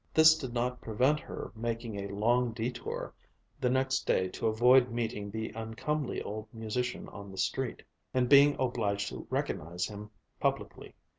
This did not prevent her making a long détour the next day to avoid meeting the uncomely old musician on the street and being obliged to recognize him publicly.